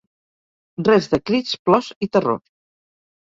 Res de crits, plors i terror.